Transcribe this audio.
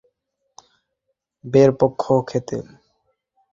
তিনি কোচের ভূমিকায় অবতীর্ণ হওয়াসহ হকস বে’র পক্ষে খেলতেন।